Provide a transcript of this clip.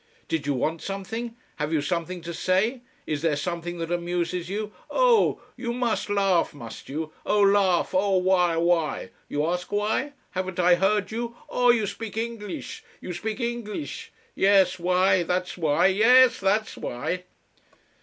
"Did you want something? Have you something to say? Is there something that amuses you? Oh h! You must laugh, must you? Oh laugh! Oh h! Why? Why? You ask why? Haven't I heard you! Oh you spik Ingleesh! You spik Ingleesh! Yes why! That's why! Yes, that's why."